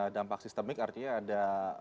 dampak sistemik artinya ada